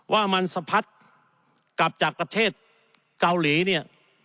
ว่ามันสะพัดกลับจากประเทศเกาหลีเนี่ย